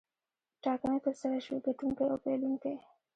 ټاکنې ترسره شوې ګټونکی او بایلونکی.